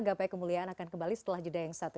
gak payah kemuliaan akan kembali setelah jeda yang satu itu